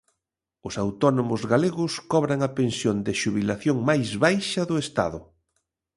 Os autónomos galegos cobran a pensión de xubilación máis baixa do Estado.